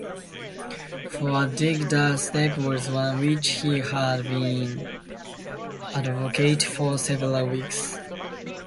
For Adeang, the step was one which he had been advocating for several weeks.